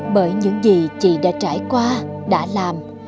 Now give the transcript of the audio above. bởi những gì chị đã trải qua đã làm